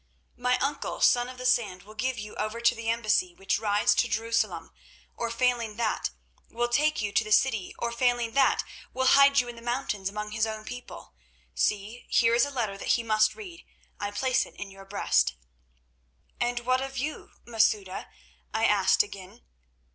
"'My uncle, Son of the Sand, will give you over to the embassy which rides to Jerusalem, or failing that, will take you to the city, or failing that, will hide you in the mountains among his own people. See, here is a letter that he must read; I place it in your breast.' "'And what of you, Masouda?' I asked again.